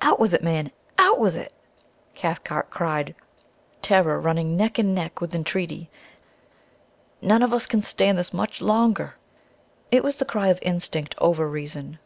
"Out with it, man, out with it!" Cathcart cried, terror running neck and neck with entreaty. "None of us can stand this much longer ...!" It was the cry of instinct over reason.